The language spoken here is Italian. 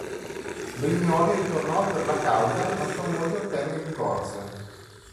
Brignoli ritornò per la causa ma sua moglie ottenne il divorzio.